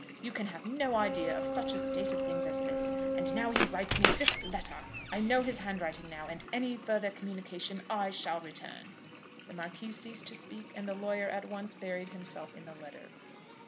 You can have no idea of such a state of things as this. And now he writes me this letter! I know his handwriting now, and any further communication I shall return." The Marquis ceased to speak, and the lawyer at once buried himself in the letter.